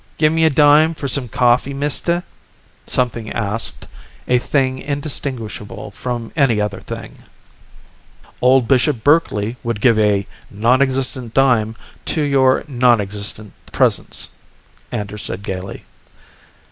"Give me a dime for some coffee, mister?" something asked, a thing indistinguishable from any other thing. "Old Bishop Berkeley would give a nonexistent dime to your nonexistent presence," Anders said gaily.